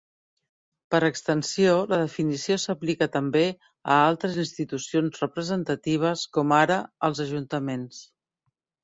Per extensió, la definició s'aplica també a altres institucions representatives com ara als Ajuntaments.